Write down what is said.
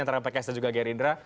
antara pks dan juga gerindra